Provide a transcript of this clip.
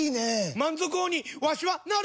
満足王にわしはなる！